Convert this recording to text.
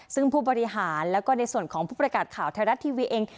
ซึ่งผู้บริหารแล้วก็ในส่วนของผู้ประกาศข่าวไทยรัฐทีวีเอง